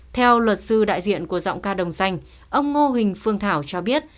theo luật sư đại diện của giọng ca đồng xanh ông ngô huỳnh phương thảo cho biết